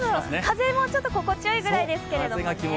風もちょっと心地よいぐらいですけれどもね